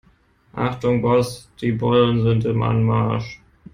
Achtung Boss, die Bullen sind im Anmarsch.